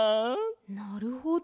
なるほど。